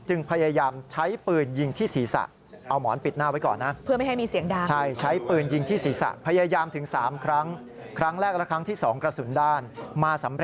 จึงพยายามใช้ปืนยิงที่ศีรษะ